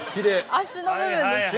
足の部分ですか。